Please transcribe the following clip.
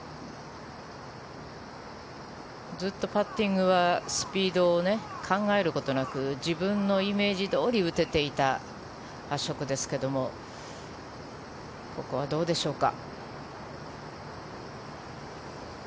ずっとパッティングはスピードを考えることなく自分のイメージどおり打てていたアショクですけれどここはどうでしょうか。